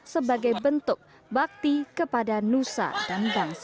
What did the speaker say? sebagai bentuk bakti kepada nusa dan bangsa